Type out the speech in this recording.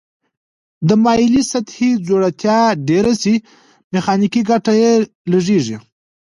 د مایلې سطحې ځوړتیا ډیره شي میخانیکي ګټه یې لږیږي.